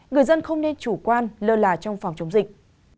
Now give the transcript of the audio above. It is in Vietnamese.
người dân không nên chủ quan lơ là trong phòng chống dịch